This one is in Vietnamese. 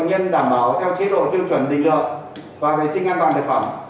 bệnh nhân đảm bảo theo chế độ tiêu chuẩn định lợi và thể sinh an toàn thực phẩm